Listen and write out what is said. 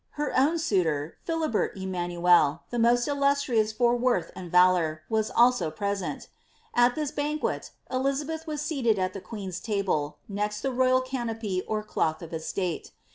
Her own suitor, Phili ben EmanucU the roost illustrious for worth and valour, was also pre sent At this banquet^ Elizabeth was seated at the queen^s table — next the royal canopy or cloth of estate.